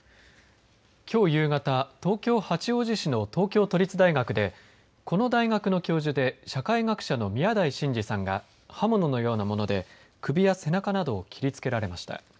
きょう夕方東京、八王子市の東京都立大学でこの大学の教授で社会学者の宮台真司さんが刃物のようなもので首や背中などを切り付けられました。